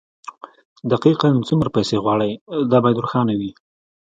دقيقاً څومره پيسې غواړئ دا بايد روښانه وي.